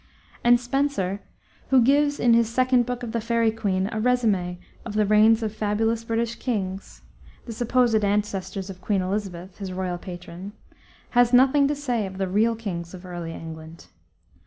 And Spenser, who gives in his second book of the Faerie Queene, a resumé of the reigns of fabulous British kings the supposed ancestors of Queen Elizabeth, his royal patron has nothing to say of the real kings of early England.